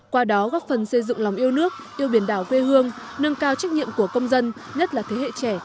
qua đó góp phần xây dựng lòng yêu nước yêu biển đảo quê hương nâng cao trách nhiệm của công dân nhất là thế hệ trẻ